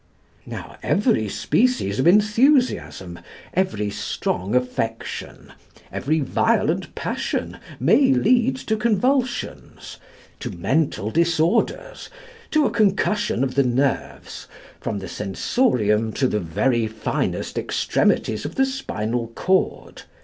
Now every species of enthusiasm, every strong affection, every violent passion, may lead to convulsions to mental disorders to a concussion of the nerves, from the sensorium to the very finest extremities of the spinal chord.